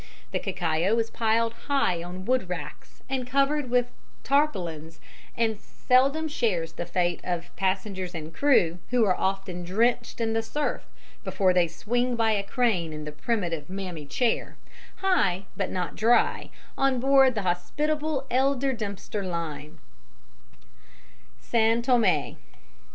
The cacao is piled high on wood racks and covered with tarpaulins and seldom shares the fate of passengers and crew, who are often drenched in the surf before they swing by a crane in the primitive mammy chair, high but not dry, on board the hospitable Elder Dempster liner. [Illustration: ROLLING CACAO, GOLD COAST.] SAN THOMÉ (AND PRINCIPE).